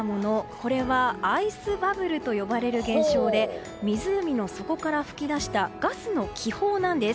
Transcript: これはアイスバブルと呼ばれる現象で湖の底から噴き出したガスの気泡なんです。